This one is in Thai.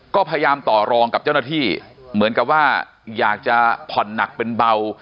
ก็พยายามต่อรองกับเจ้าหน้าที่เหมือนกับว่าอยากจะผ่อนหนักเป็นเบา